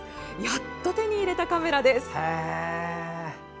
やっと手に入れたカメラです。